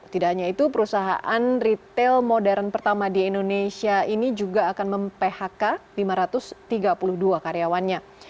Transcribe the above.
tidak hanya itu perusahaan retail modern pertama di indonesia ini juga akan mem phk lima ratus tiga puluh dua karyawannya